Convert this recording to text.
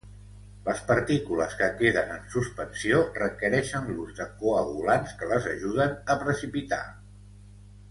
Les partícules que queden en suspensió requereixen l'ús de coagulants que les ajuden a precipitar.